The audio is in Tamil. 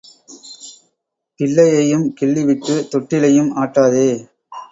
பிள்ளையையும் கிள்ளிவிட்டு தொட்டிலையும் ஆட்டாதே.